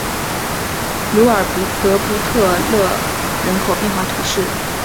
卢鲁德布布勒人口变化图示